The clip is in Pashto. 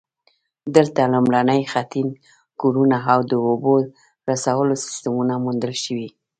دلته لومړني خټین کورونه او د اوبو رسولو سیستمونه موندل شوي